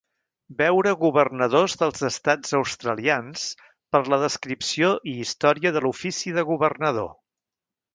Veure Governadors dels Estats Australians per la descripció i història de l'ofici de Governador.